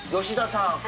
吉田さん。